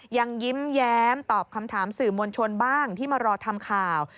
ยังยิ้มแย้มตอบคำถามสื่อมวลชนบ้างที่มารอทำข่าว